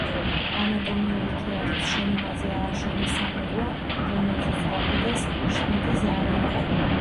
ანატომიური თეატრის შენობაზე ააშენეს სამრეკლო, რომელზეც დაკიდეს შვიდი ზარი.